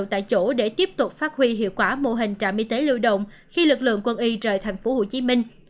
tại chỗ để tiếp tục phát huy hiệu quả mô hình trạm y tế lưu động khi lực lượng quân y rời tp hcm